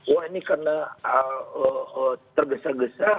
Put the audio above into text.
wah ini karena tergesa gesa